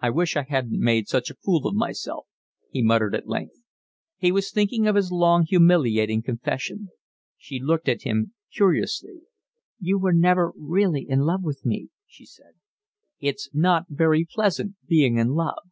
"I wish I hadn't made such a fool of myself," he muttered at length. He was thinking of his long, humiliating confession. She looked at him curiously. "You were never really in love with me," she said. "It's not very pleasant being in love."